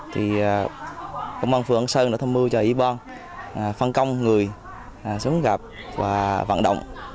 thì công an phượng sơn đã thông mưu cho ý bong phân công người xuống gặp và vận động